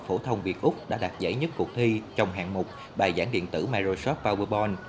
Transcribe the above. phổ thông việt úc đã đạt giải nhất cuộc thi trong hạng mục bài giảng điện tử microsoft powerpoint